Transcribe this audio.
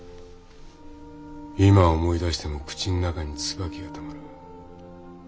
今思い出しても口ん中にツバキがたまる。